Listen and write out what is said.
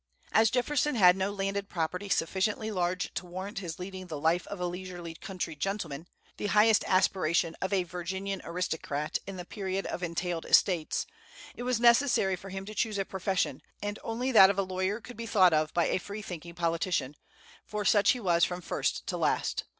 As Jefferson had no landed property sufficiently large to warrant his leading the life of a leisurely country gentleman, the highest aspiration of a Virginian aristocrat in the period of entailed estates, it was necessary for him to choose a profession, and only that of a lawyer could be thought of by a free thinking politician, for such he was from first to last.